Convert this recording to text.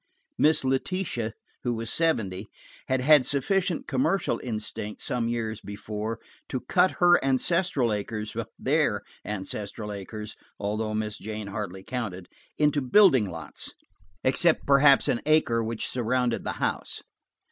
Miss Letitia, who was seventy, had had sufficient commercial instinct, some years before, to cut her ancestral acres–their ancestral acres, although Miss Jane hardly counted–into building lots, except perhaps an acre which surrounded the house.